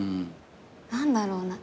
何だろうな。